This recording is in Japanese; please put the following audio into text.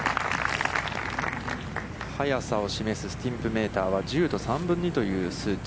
速さを示すスティンプメーターは、１０と３分の２という数値。